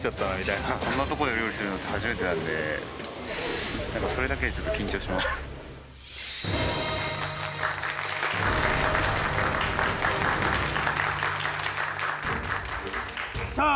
こんなとこで料理するなんて初めてなんでそれだけでちょっと緊張しますさあ